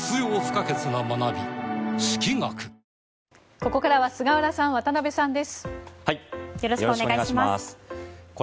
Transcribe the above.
ここからは菅原さん渡辺さんです。